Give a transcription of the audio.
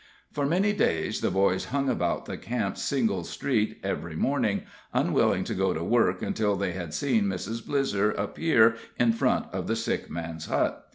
For many days the boys hung about the camp's single street every morning, unwilling to go to work until they had seen Mrs. Blizzer appear in front of the sick man's hut.